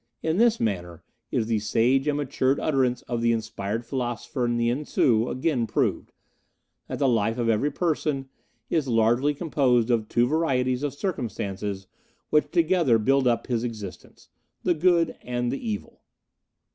In this manner is the sage and matured utterance of the inspired philosopher Nien tsu again proved: that the life of every person is largely composed of two varieties of circumstances which together build up his existence the Good and the Evil."